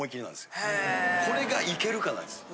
これがいけるかなんです。